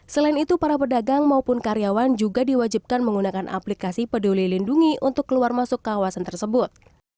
selain itu para pedagang maupun karyawan juga diwajibkan menggunakan aplikasi peduli lindungi untuk keluar masuk kawasan tersebut